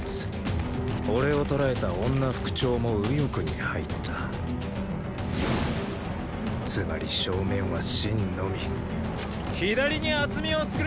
俺を捕らえた女副長も右翼に入ったつまり正面は信のみ左に厚みを作れ。